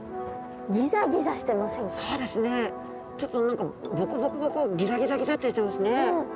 そうですねちょっとボコボコボコギザギザギザってしてますね。